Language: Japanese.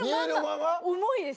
重いです